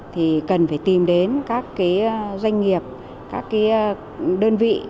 thì cần phải tìm đến các doanh nghiệp các đơn vị